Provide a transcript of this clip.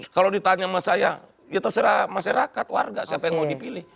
kalau ditanya sama saya ya terserah masyarakat warga siapa yang mau dipilih